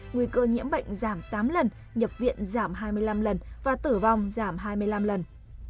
nguy cơ nhiễm bệnh giảm tám lần nhập viện giảm hai mươi năm lần và tử vong giảm hai mươi năm lần